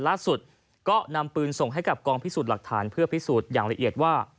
ล่าสุดก็นำปืนส่งให้กับกองพิสูจน์หลักฐานเพื่อพิสูจน์อย่างละเอียดว่า